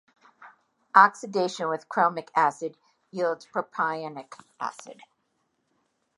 Oxidation with chromic acid yields propionic acid.